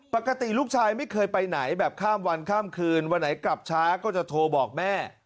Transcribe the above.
ปกติลูกชายไม่เคยไปไหนแบบข้ามวันข้ามคืนวันไหนกลับช้าก็จะโทรบอกแม่